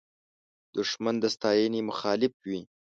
دښمن د ستاینې مخالف وي